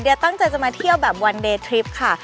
เดี๋ยวตั้งใจจะมาเที่ยวแบบวันเดย์ทริปค่ะ